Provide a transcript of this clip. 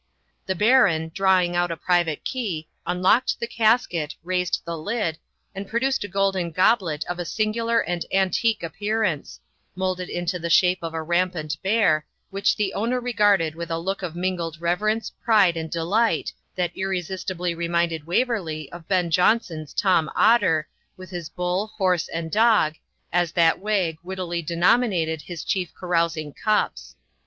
The Baron, drawing out a private key, unlocked the casket, raised the lid, and produced a golden goblet of a singular and antique appearance, moulded into the shape of a rampant bear, which the owner regarded with a look of mingled reverence, pride, and delight, that irresistibly reminded Waverley of Ben Jonson's Tom Otter, with his Bull, Horse, and Dog, as that wag wittily denominated his chief carousing cups.